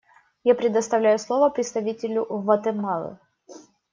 Я предоставляю слово представителю Гватемалы.